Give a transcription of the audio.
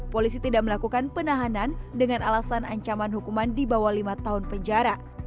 polisi tidak melakukan penahanan dengan alasan ancaman hukuman di bawah lima tahun penjara